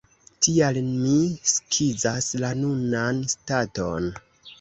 Tial mi skizas la nunan staton.